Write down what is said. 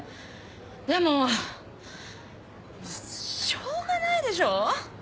でもしょうがないでしょ？